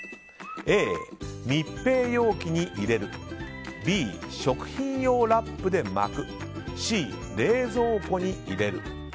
Ａ、密閉容器に入れるＢ、食品用ラップで巻くＣ、冷蔵庫に入れる。